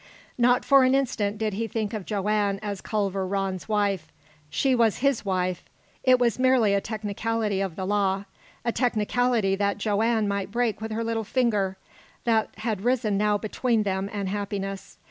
Not for an instant did he think of Joanne as Culver Rann's wife. She was his wife. It was merely a technicality of the law a technicality that Joanne might break with her little finger that had risen now between them and happiness.